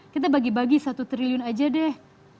kita bagi bagi satu triliun aja deh